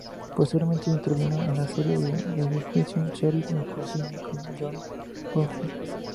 Posteriormente intervino en la serie de redifusión "Sheriff of Cochise", con John Bromfield.